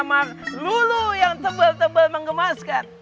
anak akan melamar lulu yang tebal tebal mengemaskan